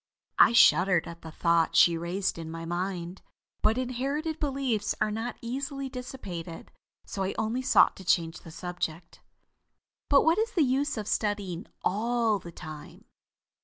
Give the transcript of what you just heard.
I shuddered at the thought she raised in my mind. But inherited beliefs are not easily dissipated, so I only sought to change the subject. "But what is the use of studying all the time.